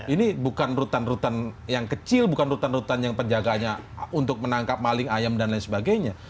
ini bukan rutan rutan yang kecil bukan rutan rutan yang penjaganya untuk menangkap maling ayam dan lain sebagainya